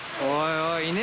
おい